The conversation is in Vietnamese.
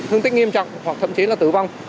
thương tích nghiêm trọng hoặc thậm chí là tử vong